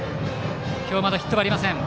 今日まだヒットはありません。